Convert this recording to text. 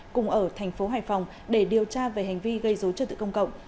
cùng ở tp hải phòng để điều tra về hành vi gây dối trợ tự công cộng